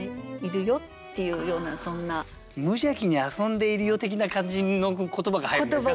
無邪気に遊んでいるよ的な感じの言葉が入るんですか？